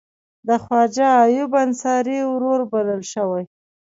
د خواجه ایوب انصاري ورور بلل شوی.